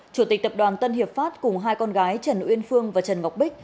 chủ tịch tập đoàn tân hiệp pháp cùng hai con gái trần uyên phương và trần ngọc bích